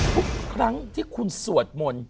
ทุกครั้งที่คุณสวดมนต์